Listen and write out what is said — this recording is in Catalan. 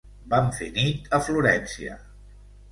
Vam fer nit a Florència.